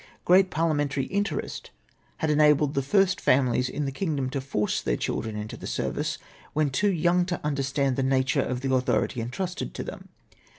Gfreat parliamentary interest had enabled the first families in the kingdom to force their children into the service, when too young to understand the nature of the authority entrusted to them.